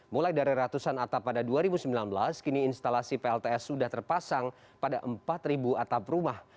mulai dari ratusan atap pada dua ribu sembilan belas kini instalasi plts sudah terpasang pada empat atap rumah